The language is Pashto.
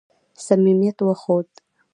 صمیمیت وښود.